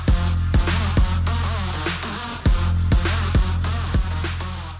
ก็พูดว่าวันนี้มีคนจะมาวางยานักมัวให้ระวังดีนะครับ